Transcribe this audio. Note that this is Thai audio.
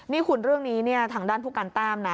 นี่คุณเรื่องนี้ทางด้านภูกการต้ามนะ